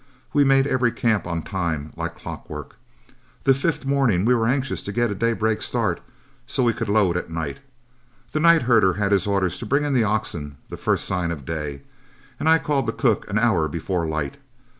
We made every camp on time like clockwork. The fifth morning we were anxious to get a daybreak start, so we could load at night. The night herder had his orders to bring in the oxen the first sign of day, and I called the cook an hour before light.